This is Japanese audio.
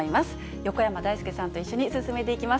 横山だいすけさんと一緒に進めていきます。